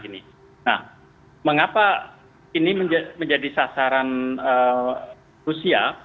nah mengapa ini menjadi sasaran rusia